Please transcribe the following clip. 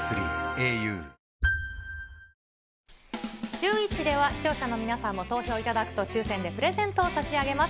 シューＷｈｉｃｈでは、視聴者の皆さんも投票を頂くと、抽せんでプレゼントを差し上げます。